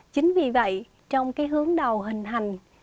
chính vì vậy trong cái hướng đầu hình hành